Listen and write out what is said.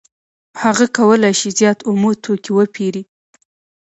هغه کولای شي زیات اومه توکي وپېري